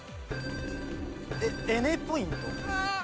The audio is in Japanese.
エネポイント。